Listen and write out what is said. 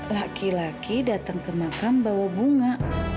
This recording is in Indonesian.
laki laki datang ke makam bawa bunga